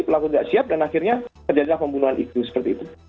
pelaku tidak siap dan akhirnya terjadilah pembunuhan itu seperti itu